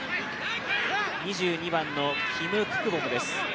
２２番のキム・ククボムです。